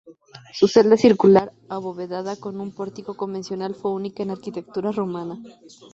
Su celda circular abovedada con un pórtico convencional fue única en la arquitectura romana.